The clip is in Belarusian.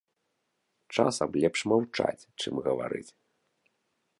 Часам лепш маўчаць, чым гаварыць.